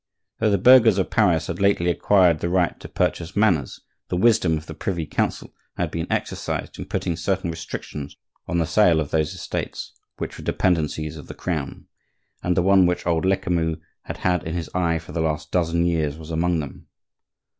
Though the burghers of Paris had lately acquired the right to purchase manors, the wisdom of the privy council had been exercised in putting certain restrictions on the sale of those estates which were dependencies of the Crown; and the one which old Lecamus had had in his eye for the last dozen years was among them.